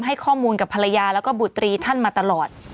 ให้ข้อมูลกับภรรยาแล้วก็บุตรีท่านมาตลอด